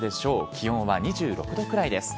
気温は２６度くらいです。